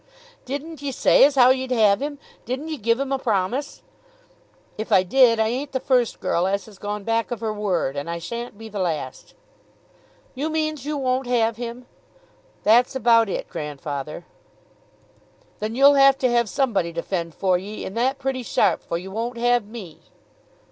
"Didn't ye say as how ye'd have him? Didn't ye give him a promise?" "If I did, I ain't the first girl as has gone back of her word, and I shan't be the last." "You means you won't have him?" "That's about it, grandfather." "Then you'll have to have somebody to fend for ye, and that pretty sharp, for you won't have me."